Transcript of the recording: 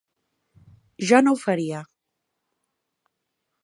Jo no ho faria.